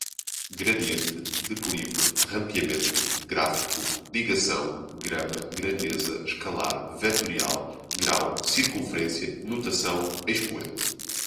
gradiente, declive, rampeamento, gráfico, ligação, grama, grandeza escalar, vetorial, grau, circunferência, notação, expoente